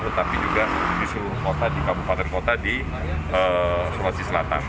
tetapi juga di seluruh kota di kabupaten kota di sulawesi selatan